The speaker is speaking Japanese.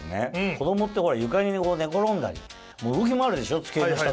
子供って床に寝転んだり動き回るでしょ机の下とか。